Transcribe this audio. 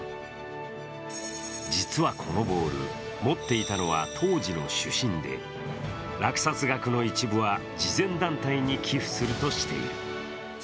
実はこのボール、持っていたのは当時の主審で落札額の一部は慈善団体に寄付するとしている。